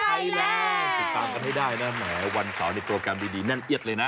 ติดตามกันให้ได้นะแหมวันข่าวในโปรแกรมดีแน่นเอียดเลยนะ